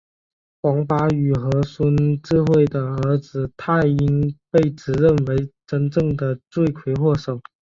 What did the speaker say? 黄巴宇和孙智慧的儿子泰英被指认为真正的罪魁祸首。